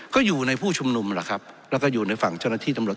ก็อยู่ในผู้ชุมนุมแหละครับแล้วก็อยู่ในฝั่งเจ้าหน้าที่ตำรวจ